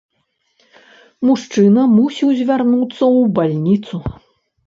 Мужчына мусіў звярнуцца ў бальніцу.